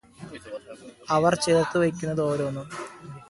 അവര് ചേര്ത്തുവെയ്കുന്നതോരോന്നും